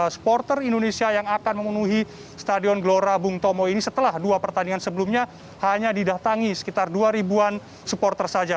supporter indonesia yang akan memenuhi stadion gelora bung tomo ini setelah dua pertandingan sebelumnya hanya didatangi sekitar dua ribu an supporter saja